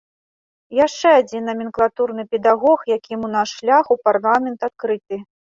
Яшчэ адзін наменклатурны педагог, якім у нас шлях у парламент адкрыты.